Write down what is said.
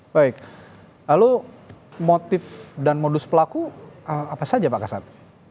baik lalu motif dan modus pelaku apa saja pak kasat